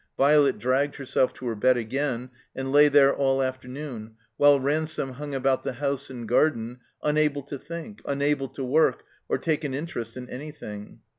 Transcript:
Violet dragged herself to her bed again, and lay there all afternoon while Ran some hung about the house and garden, unable to think, unable to work, or take an interest in any thing.